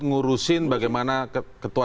mengurusin bagaimana ketua